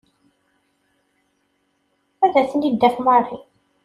Ad ten-id-taf Mary.